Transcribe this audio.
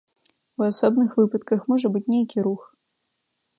У асобных выпадках можа быць нейкі рух.